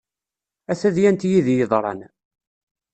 A tadyant yid-i yeḍran.